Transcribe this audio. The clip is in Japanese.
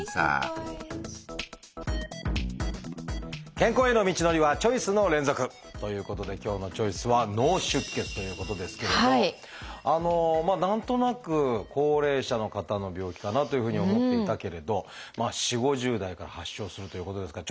健康への道のりはチョイスの連続！ということで今日の「チョイス」は何となく高齢者の方の病気かなというふうに思っていたけれど４０５０代から発症するということですからちょっと怖い気もしますが。